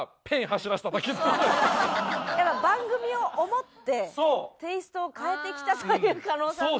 やっぱ番組を思ってテイストを変えてきたという加納さんの。